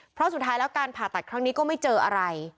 เพราะสุดท้ายแล้วการผ่าตัดครั้งนี้ก็ไม่เจออะไร